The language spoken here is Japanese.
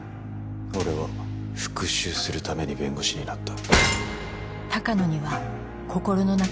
俺は復讐するために弁護士になった。